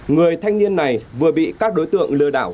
người thanh niên này vừa bị các đối tượng lừa đảo